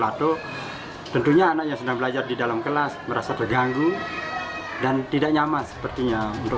atau tentunya anak yang sedang belajar di dalam kelas merasa terganggu dan tidak nyaman sepertinya untuk